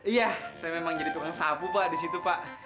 iya saya memang jadi tukang sabu pak disitu pak